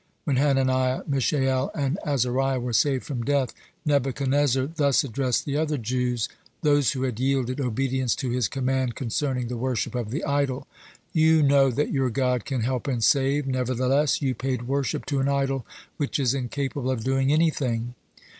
When Hananiah, Mishael, and Azariah were saved from death, Nebuchadnezzar thus addressed the other Jews, those who had yielded obedience to his command concerning the worship of the idol: "You know that your God can help and save, nevertheless you paid worship to an idol which is incapable of doing anything.